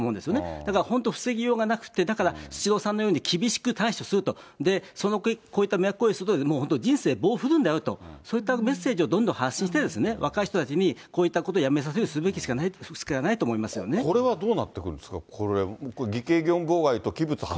だから本当、防ぎようがなくて、だから、スシローさんのように厳しく対処すると、で、こういった迷惑行為することで、もう本当に人生棒に振るんだよと、そういったメッセージをどんどん発信して、若い人たちにこういったことをやめさせるようにするべきしかないこれはどうなってくるんですか、これ、偽計業務妨害と器物破損と。